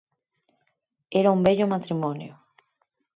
Era un vello matrimonio.